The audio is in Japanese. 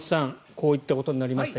こういったことになりました。